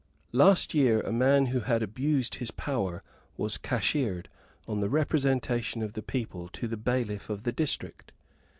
Last year a man who had abused his power was cashiered, on the representation of the people to the bailiff of the district.